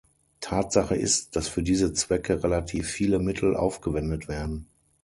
Tatsache ist, dass für diese Zwecke relativ viele Mittel aufgewendet werden.